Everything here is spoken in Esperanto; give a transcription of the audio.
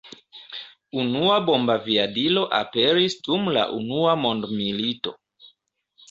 Unua bombaviadilo aperis dum la unua mondmilito.